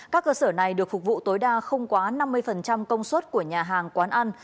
các cơ sở này được phục vụ tối đa không quá năm mươi công suất của nhà hàng quán ăn